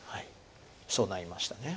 そうなりましたね。